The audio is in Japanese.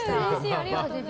ありがとうございます。